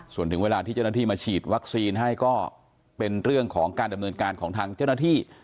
ส่วนถึงเวลาที่เจ้าหน้าที่มาฉีดวัคซีนให้ก็เป็นเรื่องของการดำเนินการของทางเจ้าหน้าที่